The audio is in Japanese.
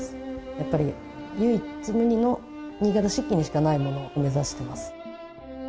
やっぱり唯一無二の新潟漆器にしかないものを目指しています